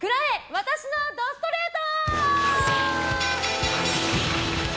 私の怒ストレート。